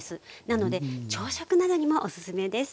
なので朝食などにもおすすめです。